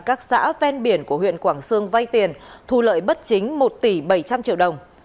các xã ven biển của huyện quảng sương vay tiền thu lợi bất chính một tỷ bảy trăm linh triệu đồng